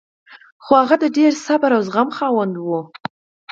خو هغه د ډېر صبر او زغم خاوند و